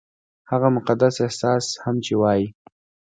هغه مقدس احساس هم چې وايي-